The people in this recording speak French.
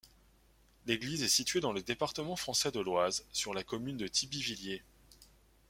L'église est située dans le département français de l'Oise, sur la commune de Thibivillers.